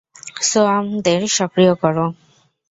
সোয়ার্মদের সক্রিয় করো!